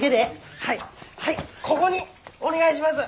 はいはいこごにお願いします！